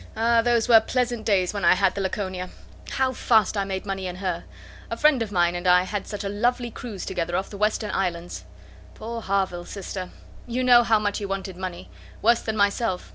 "Ah! those were pleasant days when I had the Laconia! How fast I made money in her. A friend of mine and I had such a lovely cruise together off the Western Islands. Poor Harville, sister! You know how much he wanted money: worse than myself.